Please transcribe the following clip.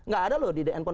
gak ada loh di dnpon